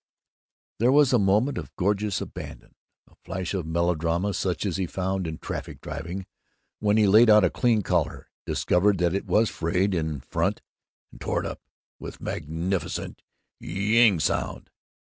There was a moment of gorgeous abandon, a flash of melodrama such as he found in traffic driving, when he laid out a clean collar, discovered that it was frayed in front, and tore it up with a magnificent yeeeeeing sound.